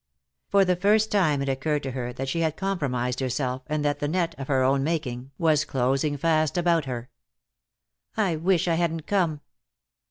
For the first time it occurred to her that she had compromised herself, and that the net, of her own making, was closing fast about her. "I wish I hadn't come."